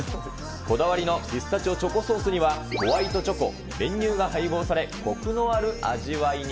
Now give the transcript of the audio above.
こだわりのピスタチオチョコソースにはホワイトチョコ、練乳が配合され、こくのある味わいに。